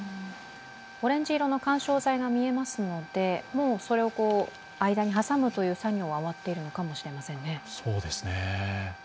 オレンジ色の緩衝材が見えますので、もうそれを間に挟むという作業は終わってるのかもしれませんね。